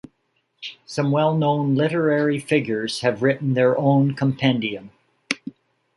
Some well known literary figures have written their own compendium.